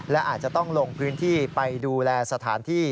และอาจจะต้องลงพื้นที่ไปดูแลสถานที่